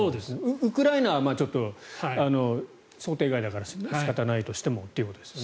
ウクライナはちょっと想定外だから仕方ないとしてもということですね。